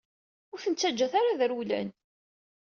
Ur ten-ttaǧǧat ara ad rewlen!